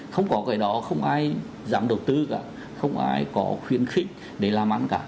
không có cái đó không ai dám đầu tư cả không ai có khuyến khích để làm ăn cả